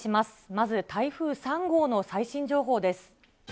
まず台風３号の最新情報です。